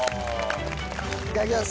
いただきます。